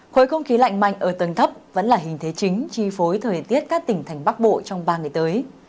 khối không khí lạnh mạnh ở tầng thấp vẫn là hình thế chính chi phối thời tiết các tỉnh thành bắc bộ trong ba ngày tới